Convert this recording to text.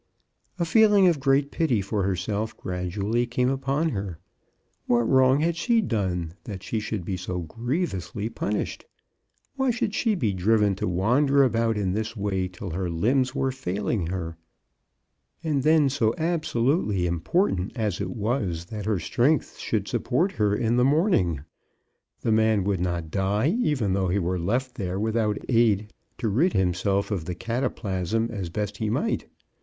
A feeling of great pity for herself gradually came upon her. What wrong had she done, that she should be so grievously punished? Why should she be driven to wan der about in this way till her limbs were failing her? And then so absolutely important as it was that her strength should support her in the morning ! The man would not die even though he were left there without aid, to rid himself of the cataplasm as best he might.